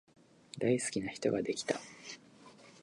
大好きな人ができた